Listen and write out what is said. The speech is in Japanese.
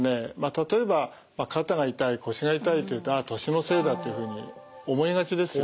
例えば肩が痛い腰が痛いというとああ年のせいだというふうに思いがちですよね。